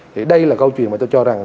thì đây là câu chuyện mà tôi cho rằng